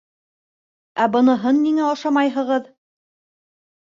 Ә быныһын ниңә ашамайһығыҙ?